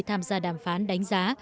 tham gia đàm phán đánh giá